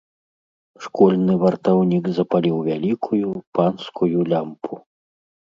Школьны вартаўнік запаліў вялікую, панскую лямпу.